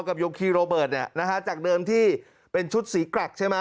ปกับยกฤษโรเบิร์ตเนี่ยนะฮะจากเดิมที่เป็นชุดสีกรกใช่มั้ย